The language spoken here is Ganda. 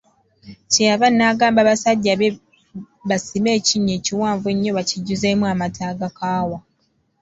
Kye yava nno agamba basajja be basime ekinnya ekiwanvu ennyo bakijjuzeemu amata agakaawa.